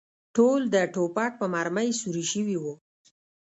ټول د ټوپک په مرمۍ سوري شوي و.